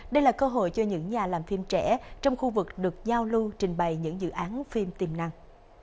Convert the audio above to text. đây là cơ hội cho những nhà làm phim trẻ trong khu vực được giao lưu trình bày những dự án phim tiềm năng